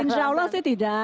insya allah tidak